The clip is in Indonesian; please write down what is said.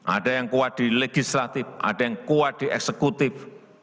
ada yang kuat di legislatif ada yang kuat di eksekutif